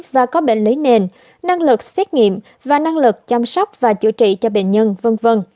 và có bệnh lý nền năng lực xét nghiệm và năng lực chăm sóc và chữa trị cho bệnh nhân v v